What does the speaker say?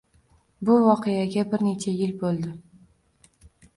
Bu voqeaga bir necha yil bo’ldi.